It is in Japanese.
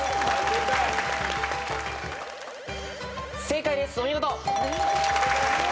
正解ですお見事。